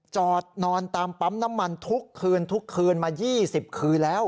จอดนอนตามปั๊มน้ำมันทุกคืนทุกคืนมา๒๐คืนแล้ว